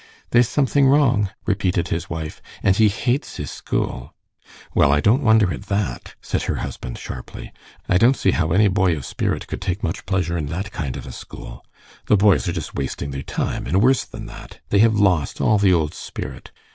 "There's something wrong," repeated his wife. "And he hates his school." "Well, I don't wonder at that," said her husband, sharply. "I don't see how any boy of spirit could take much pleasure in that kind of a school. The boys are just wasting their time, and worse than that, they have lost all the old spirit.